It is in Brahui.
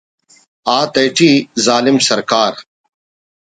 آتیٹی ظالم سرکار